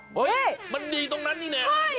เฮ้ยมันดีตรงนั้นนี่แน่